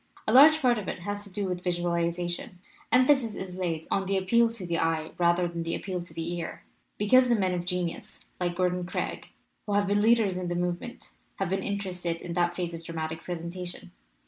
A large part of it has to do with visualization. Emphasis is laid on the appeal to the eye rather than the appeal to the ear, because the men of genius, like Gordon Craig, who have been leaders in the movement, have been interested in that phase of dramatic presentation.